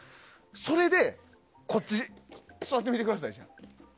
それでこっち座ってみてください。